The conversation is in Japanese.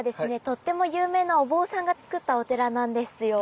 とっても有名なお坊さんが造ったお寺なんですよ。